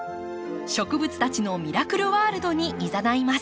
植物たちのミラクルワールドにいざないます。